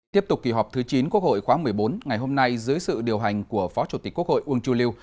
tiếp tục kỳ họp thứ chín quốc hội khóa một mươi bốn ngày hôm nay dưới sự điều hành của phó chủ tịch quốc hội uông chu liêu